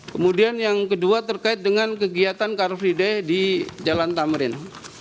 kemudian yang kedua terkait dengan kegiatan car free day di jalan tamrin